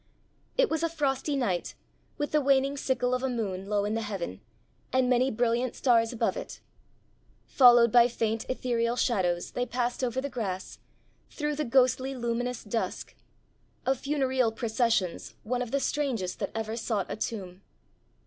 It was a frosty night, with the waning sickle of a moon low in the heaven, and many brilliant stars above it. Followed by faint ethereal shadows, they passed over the grass, through the ghostly luminous dusk of funereal processions one of the strangest that ever sought a tomb.